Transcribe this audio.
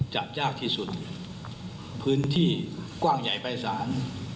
จับยากที่สุดพื้นที่กว้างใหญ่ภายศาล